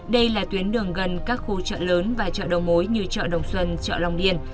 đây là tuyến đường gần các khu chợ lớn và chợ đầu mối như chợ đồng xuân chợ long điền